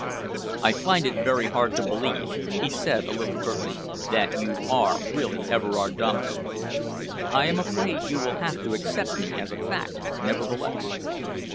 "I find it very hard to believe," he said a little curtly, "that you are really Everard Dominey." "I am afraid you will have to accept me as a fact, nevertheless."